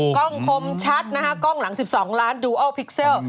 กล้องคมชัดนะคะกล้องหลัง๑๒ล้านดูโอพิกเซล